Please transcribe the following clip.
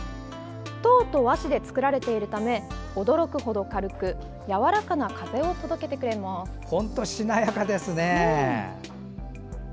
籐と和紙で作られているため驚くほど軽くやわらかな風を届けてくれます。